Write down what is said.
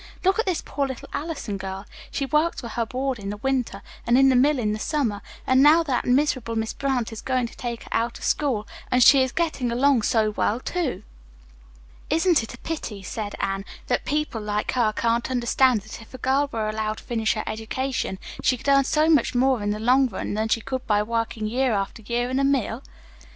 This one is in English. Look at this poor, little Allison girl. She works for her board in the winter, and in the mill in the summer, and now that miserable Miss Brant is going to take her out of school, and she is getting along so well, too." "Isn't it a pity," said Anne, "that people like her can't understand that if a girl were allowed to finish her education, she could earn so much more in the long run than she could by working year after year in a mill?"